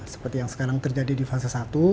seperti yang sekarang terjadi di fase satu